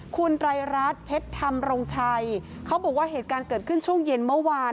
คุณไตรรัฐเพชรธรรมรงชัยเขาบอกว่าเหตุการณ์เกิดขึ้นช่วงเย็นเมื่อวาน